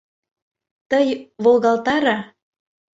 Тый волгалтаре.